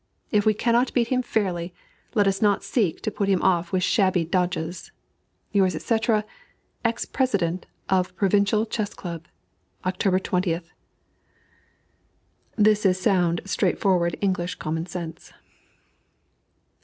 If we cannot beat him fairly, let us not seek to put him off with shabby dodges. Yours, &c. THE EX PRESIDENT OF PROVINCIAL CHESS CLUB. Oct. 20th. This is sound, straightforward, English common sense.